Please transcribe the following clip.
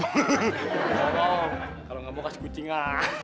tolong kalau nggak mau kasih kucingan